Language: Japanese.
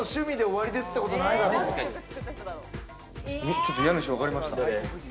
ちょっと家主分かりました。